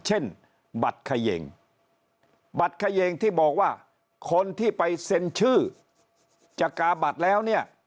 เช่นบัตรเขยงบัตรเขยงที่บอกว่าคนที่ไปเซ็นชื่อจากกาบัตรแล้วเนี่ย